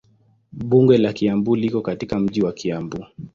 Bunge la Kiambu liko katika mji wa Kiambu.